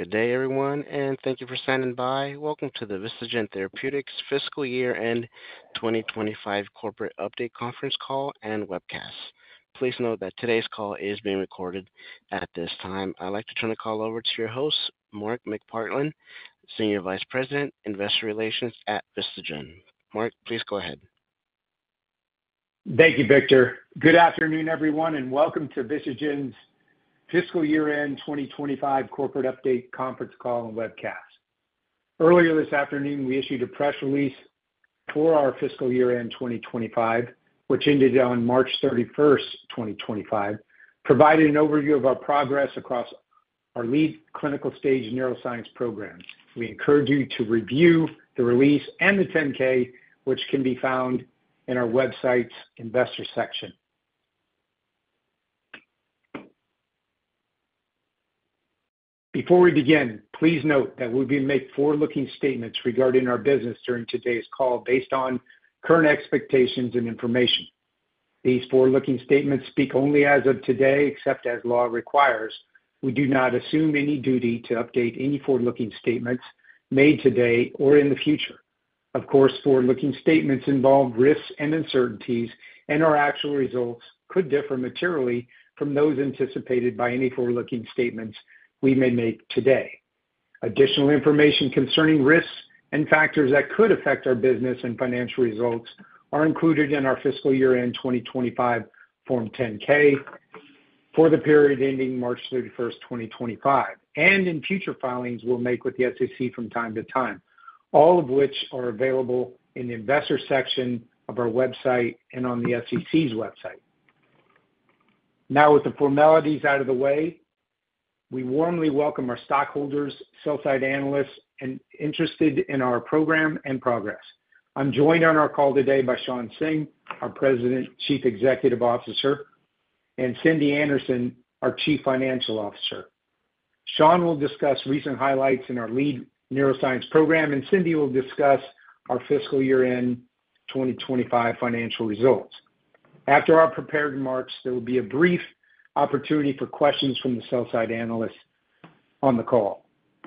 Good day, everyone, and thank you for standing by. Welcome to the Vistagen Therapeutics fiscal year-end 2025 corporate update conference call and webcast. Please note that today's call is being recorded at this time. I'd like to turn the call over to your host, Mark McPartland, Senior Vice President, investor relations at Vistagen. Mark, please go ahead. Thank you, Victor. Good afternoon, everyone, and welcome to Vistagen's fiscal year-end 2025 corporate update conference call and webcast. Earlier this afternoon, we issued a press release for our fiscal year-end 2025, which ended on March 31st, 2025, providing an overview of our progress across our lead clinical stage neuroscience programs. We encourage you to review the release and the 10-K, which can be found in our website's investor section. Before we begin, please note that we will be making forward-looking statements regarding our business during today's call based on current expectations and information. These forward-looking statements speak only as of today, except as law requires. We do not assume any duty to update any forward-looking statements made today or in the future. Of course, forward-looking statements involve risks and uncertainties, and our actual results could differ materially from those anticipated by any forward-looking statements we may make today. Additional information concerning risks and factors that could affect our business and financial results are included in our fiscal year-end 2025 Form 10-K for the period ending March 31st, 2025, and in future filings we will make with the SEC from time to time, all of which are available in the investor section of our website and on the SEC's website. Now, with the formalities out of the way, we warmly welcome our stockholders, sell-side analysts, and those interested in our program and progress. I'm joined on our call today by Shawn Singh, our President and Chief Executive Officer, and Cindy Anderson, our Chief Financial Officer. Shawn will discuss recent highlights in our lead neuroscience program, and Cindy will discuss our fiscal year-end 2025 financial results. After our prepared remarks, there will be a brief opportunity for questions from the sell-side analysts on the call.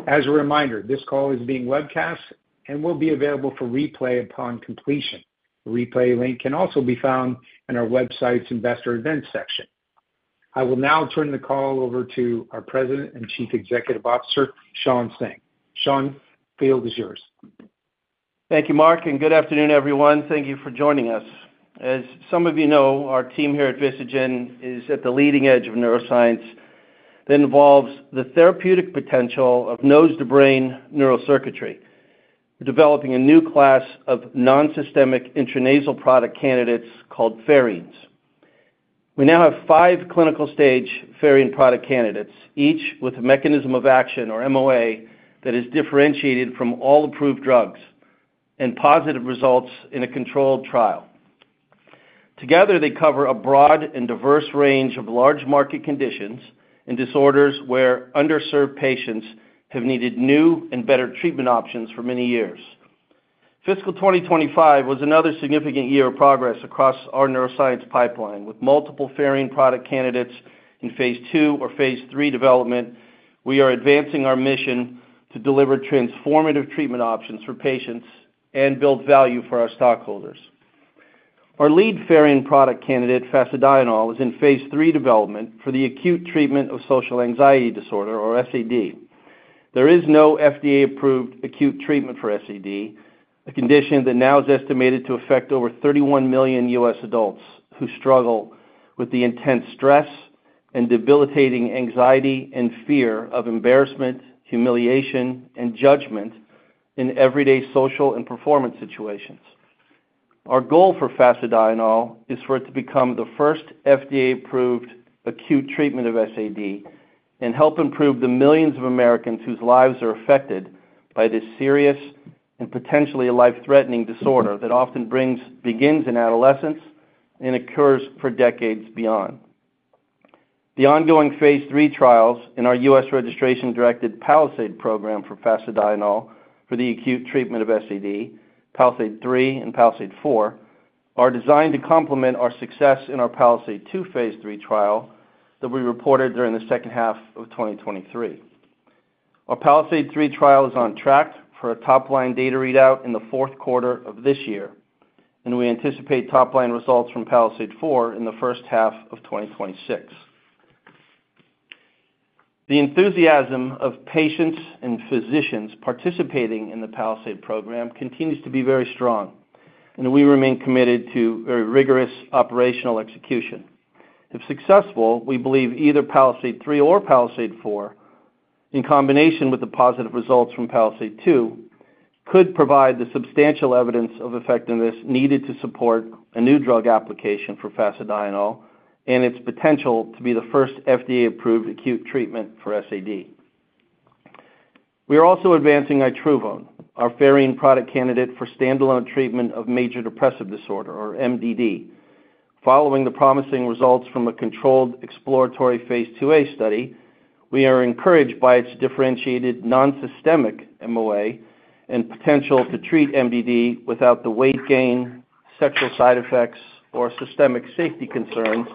As a reminder, this call is being webcast and will be available for replay upon completion. The replay link can also be found in our website's investor events section. I will now turn the call over to our President and Chief Executive Officer, Shawn Singh. Shawn, the field is yours. Thank you, Mark, and good afternoon, everyone. Thank you for joining us. As some of you know, our team here at Vistagen is at the leading edge of neuroscience that involves the therapeutic potential of nose-to-brain neurocircuitry. We're developing a new class of non-systemic intranasal product candidates called pherines. We now have five clinical stage pherine product candidates, each with a mechanism of action or MOA that is differentiated from all approved drugs and positive results in a controlled trial. Together, they cover a broad and diverse range of large market conditions and disorders where underserved patients have needed new and better treatment options for many years. Fiscal 2025 was another significant year of progress across our neuroscience pipeline. With multiple pherine product candidates in phase II or phase III development, we are advancing our mission to deliver transformative treatment options for patients and build value for our stockholders. Our lead pherine product candidate, fasedienol, is in phase III development for the acute treatment of social anxiety disorder, or SAD. There is no FDA-approved acute treatment for SAD, a condition that now is estimated to affect over 31 million U.S. adults who struggle with the intense stress and debilitating anxiety and fear of embarrassment, humiliation, and judgment in everyday social and performance situations. Our goal for fasedienol is for it to become the first FDA-approved acute treatment of SAD and help improve the millions of Americans whose lives are affected by this serious and potentially life-threatening disorder that often begins in adolescence and occurs for decades beyond. The ongoing phase III trials in our U.S. Registration-directed Palisade program for fasedienol for the acute treatment of SAD, Palisade 3 and Palisade 4, are designed to complement our success in our Palisade 2 phase III trial that we reported during the second half of 2023. Our Palisade 3 trial is on track for a top-line data readout in the fourth quarter of this year, and we anticipate top-line results from Palisade 4 in the first half of 2026. The enthusiasm of patients and physicians participating in the Palisade program continues to be very strong, and we remain committed to very rigorous operational execution. If successful, we believe either Palisade 3 or Palisade 4, in combination with the positive results from Palisade 2, could provide the substantial evidence of effectiveness needed to support a new drug application for fasedienol and its potential to be the first FDA-approved acute treatment for SAD. We are also advancing itruvone, our pherine product candidate for standalone treatment of major depressive disorder, or MDD. Following the promising results from a controlled exploratory phase II-A study, we are encouraged by its differentiated non-systemic MOA and potential to treat MDD without the weight gain, sexual side effects, or systemic safety concerns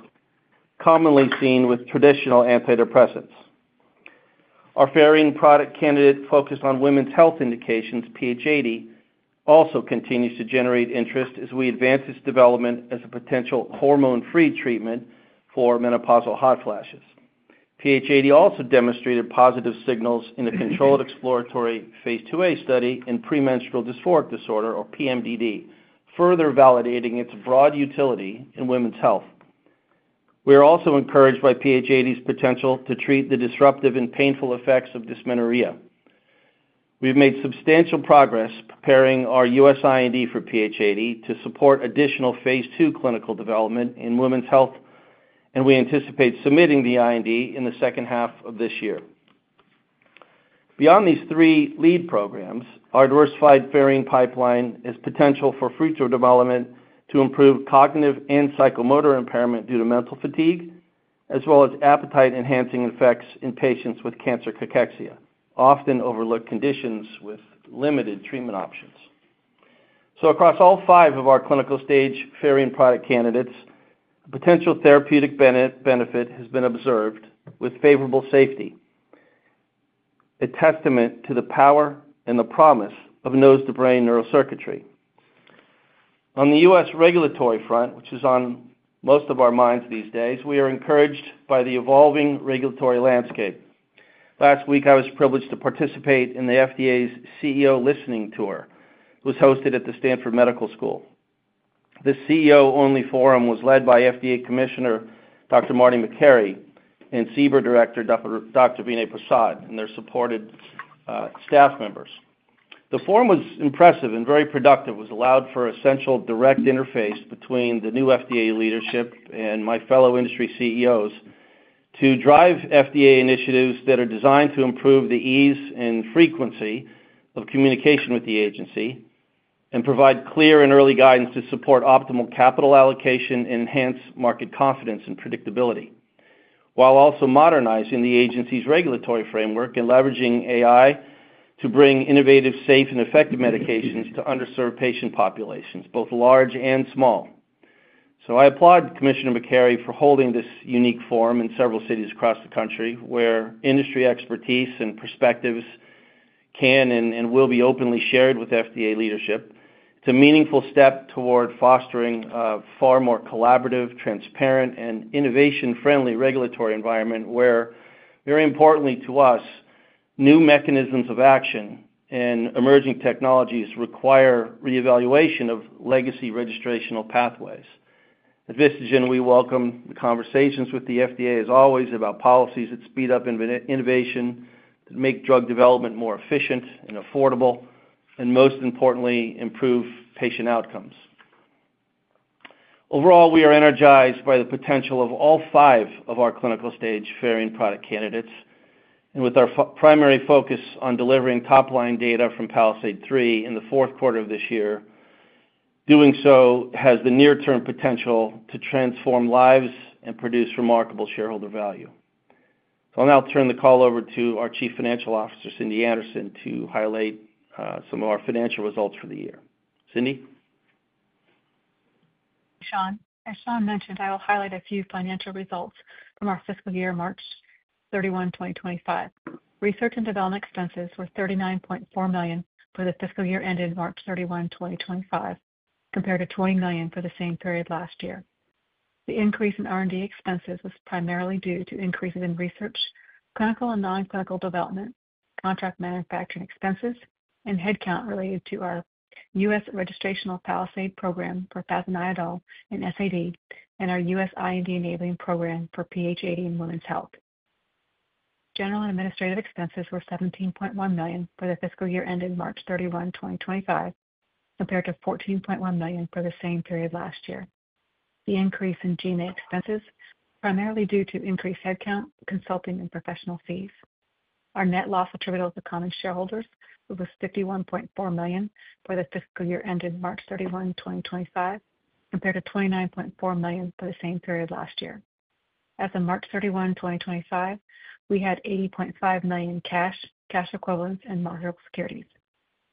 commonly seen with traditional antidepressants. Our pherine product candidate focused on women's health indications, PH80, also continues to generate interest as we advance its development as a potential hormone-free treatment for menopausal hot flashes. PH80 also demonstrated positive signals in a controlled exploratory phase II-A study in premenstrual dysphoric disorder, or PMDD, further validating its broad utility in women's health. We are also encouraged by PH80's potential to treat the disruptive and painful effects of dysmenorrhea. We've made substantial progress preparing our U.S. IND for PH80 to support additional phase II clinical development in women's health, and we anticipate submitting the IND in the second half of this year. Beyond these three lead programs, our diversified pherine pipeline has potential for future development to improve cognitive and psychomotor impairment due to mental fatigue, as well as appetite-enhancing effects in patients with cancer cachexia, often overlooked conditions with limited treatment options. Across all five of our clinical stage pherine product candidates, potential therapeutic benefit has been observed with favorable safety, a testament to the power and the promise of nose-to-brain neurocircuitry. On the U.S. regulatory front, which is on most of our minds these days, we are encouraged by the evolving regulatory landscape. Last week, I was privileged to participate in the FDA's CEO listening tour, which was hosted at the Stanford Medical School. This CEO-only forum was led by FDA Commissioner Dr. Marty Makary and CBER Director Dr. Vinay Prasad and their support staff members. The forum was impressive and very productive, which allowed for essential direct interface between the new FDA leadership and my fellow industry CEOs to drive FDA initiatives that are designed to improve the ease and frequency of communication with the agency and provide clear and early guidance to support optimal capital allocation and enhance market confidence and predictability, while also modernizing the agency's regulatory framework and leveraging AI to bring innovative, safe, and effective medications to underserved patient populations, both large and small. I applaud Commissioner Makary for holding this unique forum in several cities across the country where industry expertise and perspectives can and will be openly shared with FDA leadership. It's a meaningful step toward fostering a far more collaborative, transparent, and innovation-friendly regulatory environment where, very importantly to us, new mechanisms of action and emerging technologies require reevaluation of legacy registrational pathways. At Vistagen, we welcome conversations with the FDA, as always, about policies that speed up innovation, that make drug development more efficient and affordable, and most importantly, improve patient outcomes. Overall, we are energized by the potential of all five of our clinical stage pherine product candidates, and with our primary focus on delivering top-line data from Palisade 3 in the fourth quarter of this year, doing so has the near-term potential to transform lives and produce remarkable shareholder value. I'll now turn the call over to our Chief Financial Officer, Cindy Anderson, to highlight some of our financial results for the year. Cindy? As Shawn mentioned, I will highlight a few financial results from our fiscal year, March 31, 2025. Research and development expenses were $39.4 million for the fiscal year ended March 31, 2025, compared to $20 million for the same period last year. The increase in R&D expenses was primarily due to increases in research, clinical and non-clinical development, contract manufacturing expenses, and headcount related to our U.S. registrational Palisade program for fasedienol and SAD and our U.S. IND enabling program for PH80 and women's health. General and administrative expenses were $17.1 million for the fiscal year ended March 31, 2025, compared to $14.1 million for the same period last year. The increase in G&A expenses was primarily due to increased headcount, consulting, and professional fees. Our net loss attributable to common shareholders was $51.4 million for the fiscal year ended March 31, 2025, compared to $29.4 million for the same period last year. As of March 31, 2025, we had $80.5 million cash, cash equivalents, and marketable securities.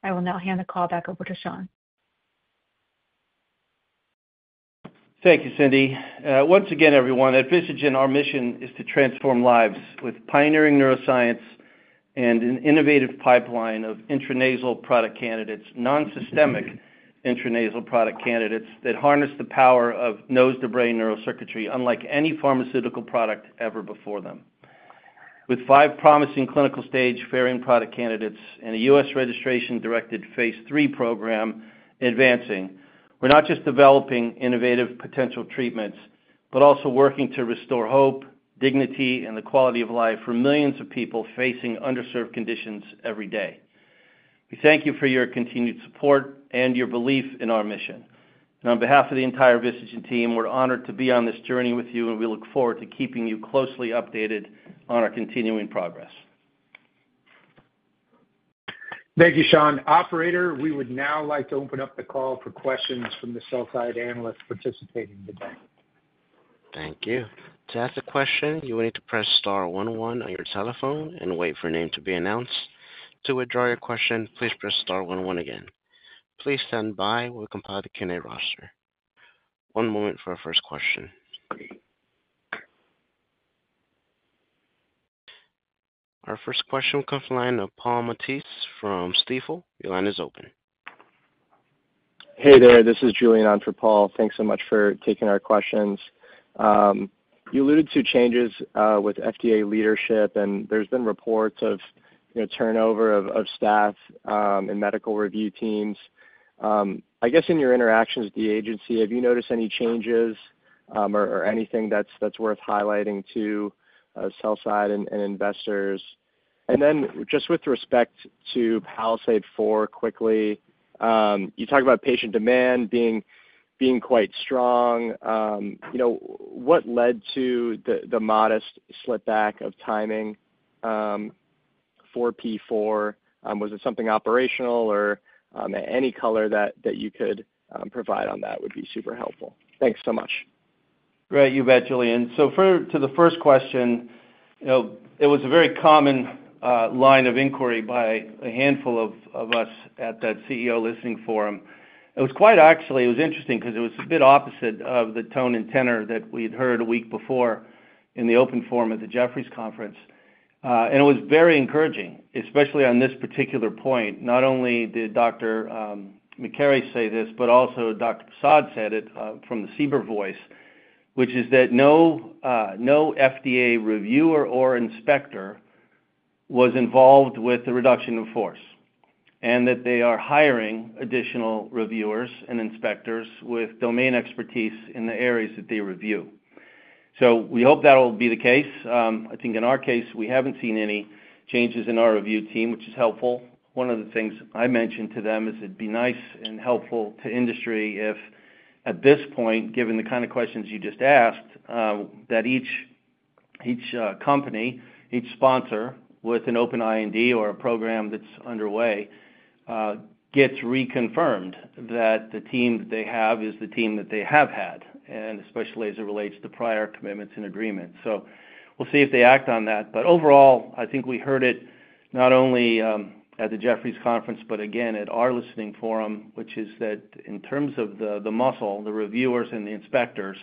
I will now hand the call back over to Shawn. Thank you, Cindy. Once again, everyone, at Vistagen, our mission is to transform lives with pioneering neuroscience and an innovative pipeline of intranasal product candidates, non-systemic intranasal product candidates that harness the power of nose-to-brain neurocircuitry, unlike any pharmaceutical product ever before them. With five promising clinical stage pherine product candidates and a U.S. registration-directed phase III program advancing, we're not just developing innovative potential treatments, but also working to restore hope, dignity, and the quality of life for millions of people facing underserved conditions every day. We thank you for your continued support and your belief in our mission. On behalf of the entire Vistagen team, we're honored to be on this journey with you, and we look forward to keeping you closely updated on our continuing progress. Thank you, Shawn. Operator, we would now like to open up the call for questions from the sell-side analysts participating today. Thank you. To ask a question, you will need to press star one one on your telephone and wait for a name to be announced. To withdraw your question, please press star one one again. Please stand by while we compile the Q&A roster. One moment for our first question. Our first question will come from the line of Paul Matteis from Stifel. Your line is open. Hey there, this is Julian Anfripal. Thanks so much for taking our questions. You alluded to changes with FDA leadership, and there's been reports of turnover of staff and medical review teams. I guess in your interactions with the agency, have you noticed any changes or anything that's worth highlighting to sell-side and investors? Then just with respect to Palisade 4 quickly, you talked about patient demand being quite strong. What led to the modest slipback of timing for P4? Was it something operational, or any color that you could provide on that would be super helpful? Thanks so much. Great. You bet, Julian. To the first question, it was a very common line of inquiry by a handful of us at that CEO listening forum. It was quite, actually, it was interesting because it was a bit opposite of the tone and tenor that we'd heard a week before in the open forum at the Jefferies Conference. It was very encouraging, especially on this particular point. Not only did Dr. Makary say this, but also Dr. Prasad said it from the CBER voice, which is that no FDA reviewer or inspector was involved with the reduction of force and that they are hiring additional reviewers and inspectors with domain expertise in the areas that they review. We hope that will be the case. I think in our case, we haven't seen any changes in our review team, which is helpful. One of the things I mentioned to them is it'd be nice and helpful to industry if, at this point, given the kind of questions you just asked, that each company, each sponsor with an open IND or a program that's underway gets reconfirmed that the team that they have is the team that they have had, and especially as it relates to prior commitments and agreements. We'll see if they act on that. Overall, I think we heard it not only at the Jefferies Conference, but again, at our listening forum, which is that in terms of the muscle, the reviewers and the inspectors,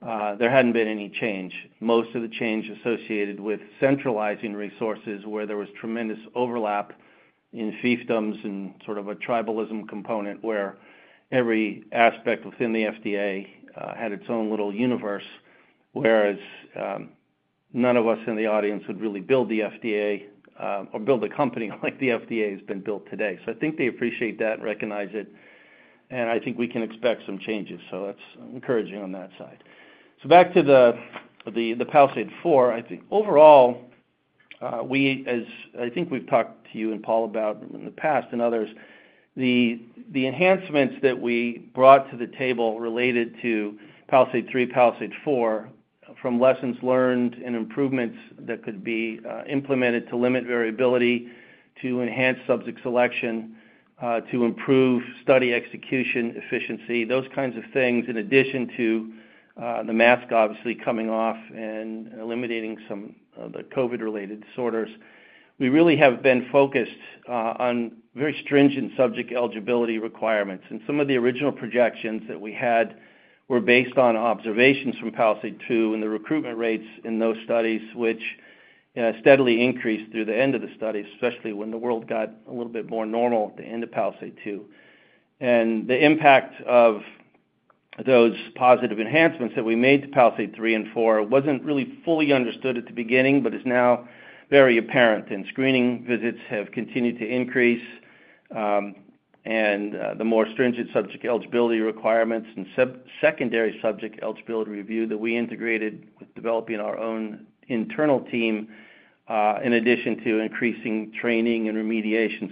there hadn't been any change. Most of the change associated with centralizing resources where there was tremendous overlap in fiefdoms and sort of a tribalism component where every aspect within the FDA had its own little universe, whereas none of us in the audience would really build the FDA or build a company like the FDA has been built today. I think they appreciate that and recognize it, and I think we can expect some changes. That's encouraging on that side. Back to the Palisade 4, I think overall, I think we've talked to you and Paul about in the past and others, the enhancements that we brought to the table related to Palisade 3, Palisade 4, from lessons learned and improvements that could be implemented to limit variability, to enhance subject selection, to improve study execution efficiency, those kinds of things, in addition to the mask obviously coming off and eliminating some of the COVID-related disorders. We really have been focused on very stringent subject eligibility requirements. Some of the original projections that we had were based on observations from Palisade 2 and the recruitment rates in those studies, which steadily increased through the end of the studies, especially when the world got a little bit more normal at the end of Palisade 2. The impact of those positive enhancements that we made to Palisade 3 and 4 was not really fully understood at the beginning, but is now very apparent. Screening visits have continued to increase, and the more stringent subject eligibility requirements and secondary subject eligibility review that we integrated with developing our own internal team, in addition to increasing training and remediation.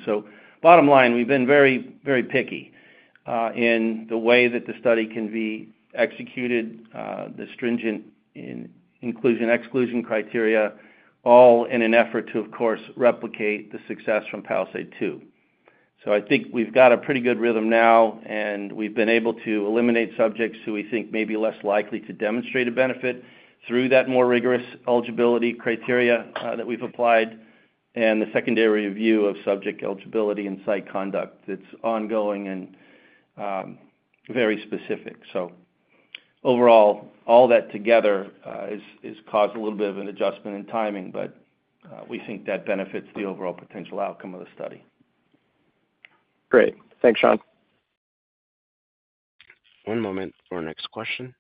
Bottom line, we have been very, very picky in the way that the study can be executed, the stringent inclusion-exclusion criteria, all in an effort to, of course, replicate the success from Palisade 2. I think we have got a pretty good rhythm now, and we have been able to eliminate subjects who we think may be less likely to demonstrate a benefit through that more rigorous eligibility criteria that we have applied and the secondary review of subject eligibility and psych conduct that is ongoing and very specific. Overall, all that together has caused a little bit of an adjustment in timing, but we think that benefits the overall potential outcome of the study. Great. Thanks, Shawn. One moment for our next question.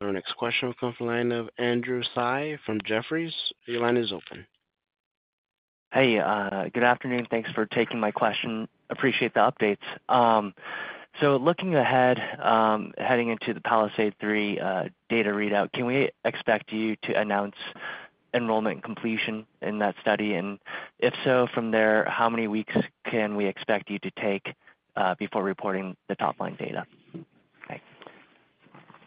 Our next question will come from the line of Andrew Tsai from Jefferies. Your line is open. Hey, good afternoon. Thanks for taking my question. Appreciate the updates. Looking ahead, heading into the Palisade 3 data readout, can we expect you to announce enrollment completion in that study? If so, from there, how many weeks can we expect you to take before reporting the top-line data?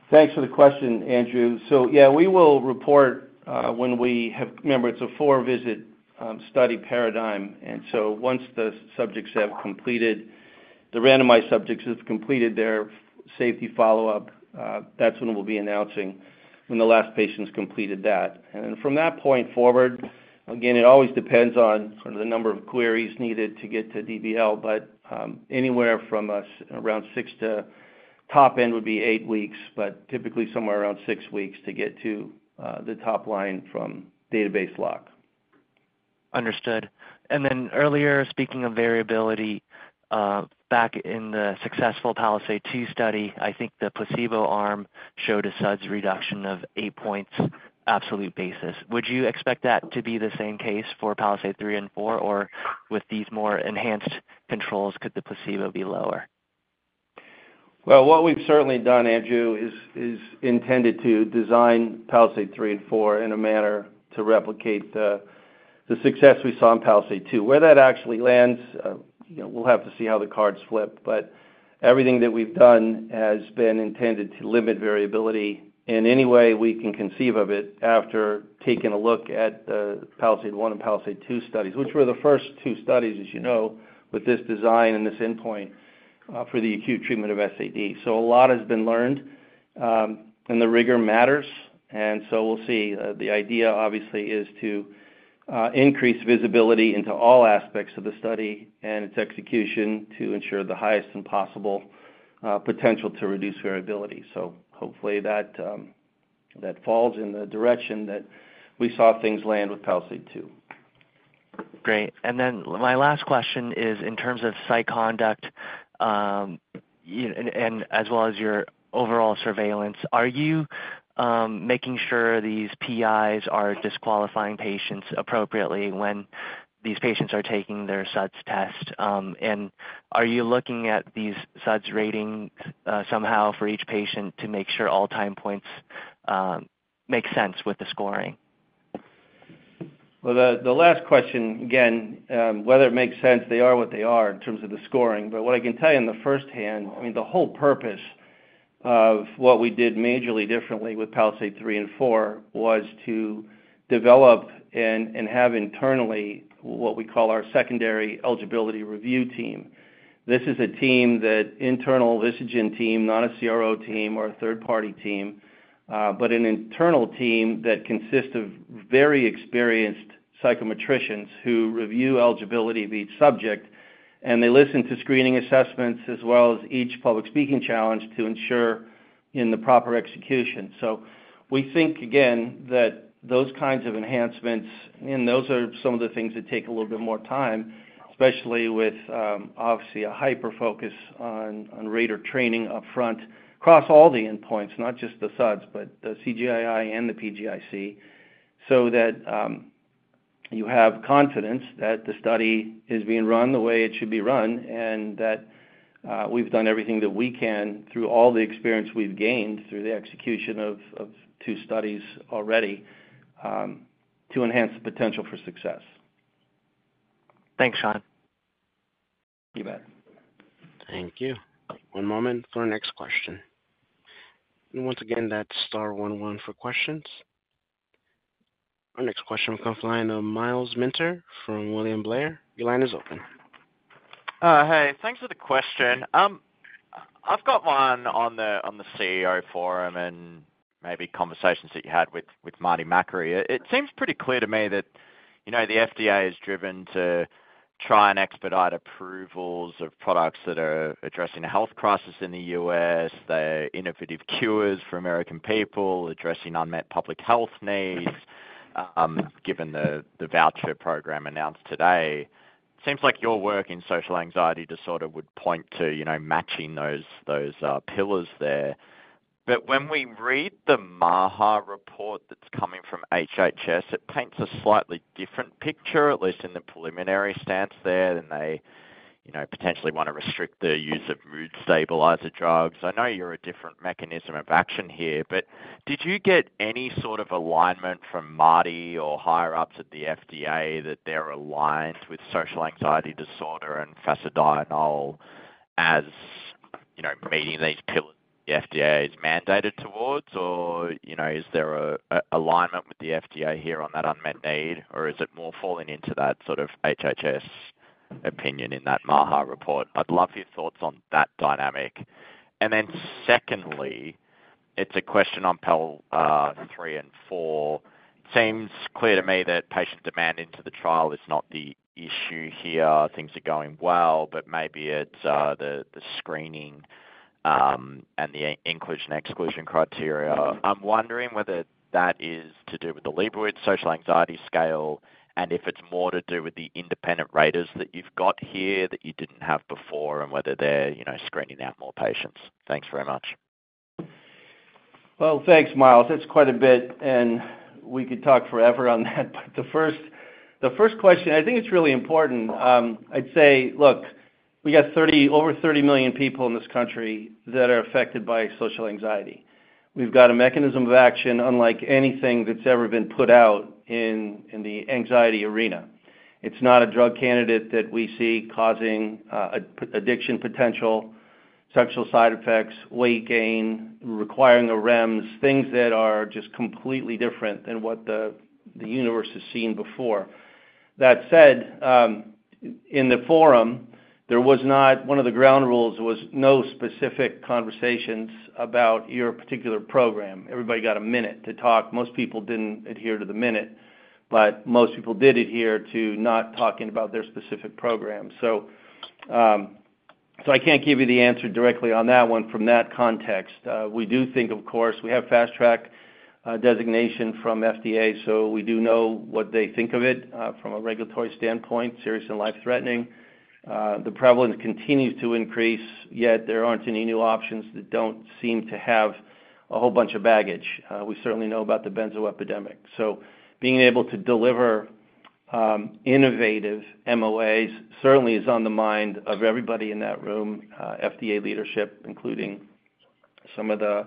Thanks for the question, Andrew. Yeah, we will report when we have, remember, it's a four-visit study paradigm. Once the subjects have completed, the randomized subjects have completed their safety follow-up, that's when we'll be announcing when the last patient's completed that. From that point forward, again, it always depends on sort of the number of queries needed to get to DBL, but anywhere from around six to top end would be eight weeks, but typically somewhere around six weeks to get to the top line from database lock. Understood. Earlier, speaking of variability, back in the successful Palisade 2 study, I think the placebo arm showed a SUDS reduction of eight points absolute basis. Would you expect that to be the same case for Palisade 3 and 4, or with these more enhanced controls, could the placebo be lower? What we've certainly done, Andrew, is intended to design Palisade 3 and 4 in a manner to replicate the success we saw in Palisade 2. Where that actually lands, we'll have to see how the cards flip, but everything that we've done has been intended to limit variability in any way we can conceive of it after taking a look at the Palisade 1 and Palisade 2 studies, which were the first two studies, as you know, with this design and this endpoint for the acute treatment of SAD. A lot has been learned, and the rigor matters. We'll see. The idea, obviously, is to increase visibility into all aspects of the study and its execution to ensure the highest possible potential to reduce variability. Hopefully that falls in the direction that we saw things land with Palisade 2. Great. And then my last question is in terms of psych conduct and as well as your overall surveillance, are you making sure these PIs are disqualifying patients appropriately when these patients are taking their SUDS test? And are you looking at these SUDS ratings somehow for each patient to make sure all time points make sense with the scoring? The last question, again, whether it makes sense, they are what they are in terms of the scoring. What I can tell you in the first hand, I mean, the whole purpose of what we did majorly differently with Palisade 3 and 4 was to develop and have internally what we call our secondary eligibility review team. This is a team that internal Vistagen team, not a CRO team or a third-party team, but an internal team that consists of very experienced psychometricians who review eligibility of each subject, and they listen to screening assessments as well as each public speaking challenge to ensure the proper execution. We think, again, that those kinds of enhancements, and those are some of the things that take a little bit more time, especially with obviously a hyper-focus on rater training upfront across all the endpoints, not just the SUDS, but the CGIC and the PGIC, so that you have confidence that the study is being run the way it should be run and that we've done everything that we can through all the experience we've gained through the execution of two studies already to enhance the potential for success. Thanks, Shawn. You bet. Thank you. One moment for our next question. Once again, that is star one one for questions. Our next question will come from the line of Myles Minter from William Blair. Your line is open. Hey, thanks for the question. I've got one on the CEO forum and maybe conversations that you had with Marty Makary. It seems pretty clear to me that the FDA is driven to try and expedite approvals of products that are addressing a health crisis in the U.S., the innovative cures for American people, addressing unmet public health needs given the voucher program announced today. It seems like your work in social anxiety disorder would point to matching those pillars there. When we read the MAHA report that's coming from HHS, it paints a slightly different picture, at least in the preliminary stance there, and they potentially want to restrict the use of mood stabilizer drugs. I know you're a different mechanism of action here, but did you get any sort of alignment from Marty or higher-ups at the FDA that they're aligned with social anxiety disorder and fasedienol as meeting these pillars the FDA is mandated towards, or is there an alignment with the FDA here on that unmet need, or is it more falling into that sort of HHS opinion in that MAHA report? I'd love your thoughts on that dynamic. Secondly, it's a question on Palisade 3 and 4. It seems clear to me that patient demand into the trial is not the issue here. Things are going well, but maybe it's the screening and the inclusion-exclusion criteria. I'm wondering whether that is to do with the Liebowitz social anxiety scale and if it's more to do with the independent raters that you've got here that you didn't have before and whether they're screening out more patients. Thanks very much. Thanks, Myles. It's quite a bit, and we could talk forever on that. The first question, I think it's really important. I'd say, look, we got over 30 million people in this country that are affected by social anxiety. We've got a mechanism of action unlike anything that's ever been put out in the anxiety arena. It's not a drug candidate that we see causing addiction potential, sexual side effects, weight gain, requiring a REMS, things that are just completely different than what the universe has seen before. That said, in the forum, one of the ground rules was no specific conversations about your particular program. Everybody got a minute to talk. Most people didn't adhere to the minute, but most people did adhere to not talking about their specific program. I can't give you the answer directly on that one from that context. We do think, of course, we have fast-track designation from FDA, so we do know what they think of it from a regulatory standpoint, serious and life-threatening. The prevalence continues to increase, yet there aren't any new options that don't seem to have a whole bunch of baggage. We certainly know about the benzo epidemic. Being able to deliver innovative MOAs certainly is on the mind of everybody in that room, FDA leadership, including some of the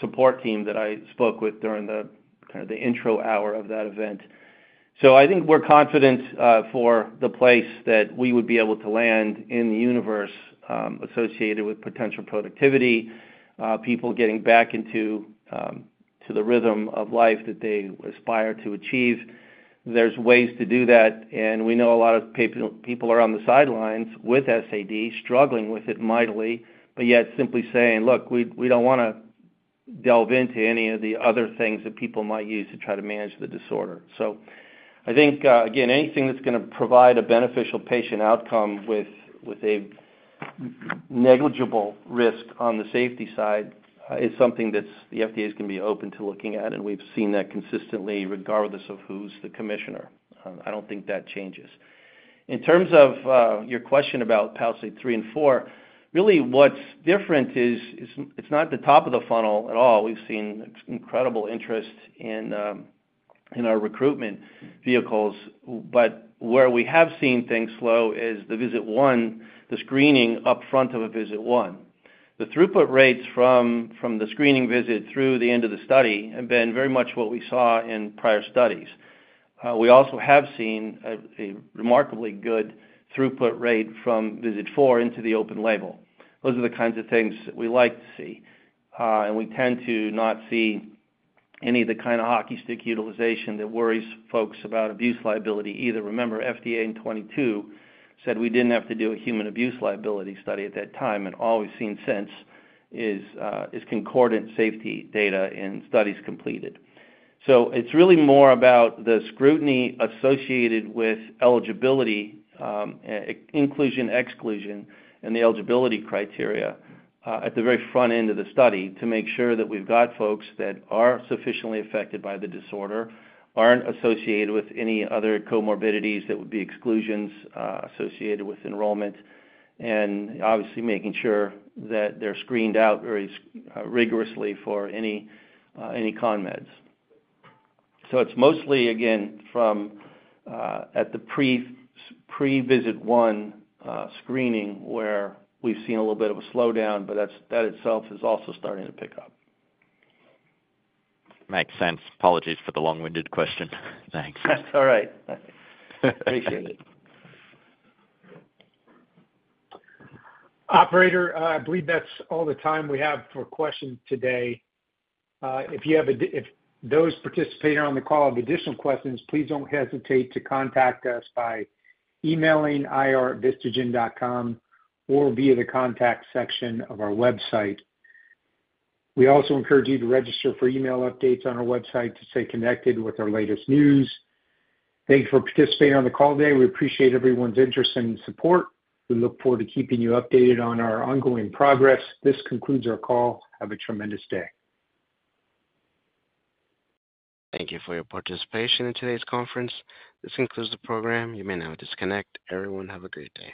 support team that I spoke with during the kind of the intro hour of that event. I think we're confident for the place that we would be able to land in the universe associated with potential productivity, people getting back into the rhythm of life that they aspire to achieve. There's ways to do that, and we know a lot of people are on the sidelines with SAD, struggling with it mightily, but yet simply saying, "Look, we don't want to delve into any of the other things that people might use to try to manage the disorder." I think, again, anything that's going to provide a beneficial patient outcome with a negligible risk on the safety side is something that the FDA is going to be open to looking at, and we've seen that consistently regardless of who's the commissioner. I don't think that changes. In terms of your question about Palisade 3 and 4, really what's different is it's not the top of the funnel at all. We've seen incredible interest in our recruitment vehicles, but where we have seen things slow is the visit one, the screening upfront of a visit one. The throughput rates from the screening visit through the end of the study have been very much what we saw in prior studies. We also have seen a remarkably good throughput rate from visit four into the open label. Those are the kinds of things that we like to see, and we tend to not see any of the kind of hockey stick utilization that worries folks about abuse liability either. Remember, FDA in 2022 said we did not have to do a human abuse liability study at that time, and all we have seen since is concordant safety data in studies completed. It is really more about the scrutiny associated with eligibility, inclusion, exclusion, and the eligibility criteria at the very front end of the study to make sure that we have got folks that are sufficiently affected by the disorder, are not associated with any other comorbidities that would be exclusions associated with enrollment, and obviously making sure that they are screened out very rigorously for any con meds. It is mostly, again, from at the pre-visit one screening where we have seen a little bit of a slowdown, but that itself is also starting to pick up. Makes sense. Apologies for the long-winded question. Thanks. That's all right. Appreciate it. Operator, I believe that's all the time we have for questions today. If you have those participating on the call have additional questions, please don't hesitate to contact us by emailing ir@vistagen.com or via the contact section of our website. We also encourage you to register for email updates on our website to stay connected with our latest news. Thank you for participating on the call today. We appreciate everyone's interest and support. We look forward to keeping you updated on our ongoing progress. This concludes our call. Have a tremendous day. Thank you for your participation in today's conference. This concludes the program. You may now disconnect. Everyone, have a good day.